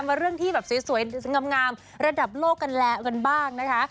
มาเรื่องที่แบบสวยงามระดับโลกกันแล้วกันบ้างนะคะ